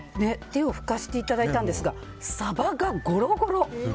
手を拭かせていただいたんですがサバがごろごろ。